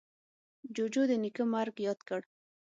جوجو د نیکه مرگ ياد کړ.